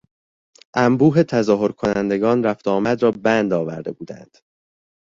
انبوه تظاهر کنندگان رفت و آمد را بند آورده بوند.